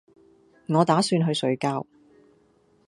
我打算去睡覺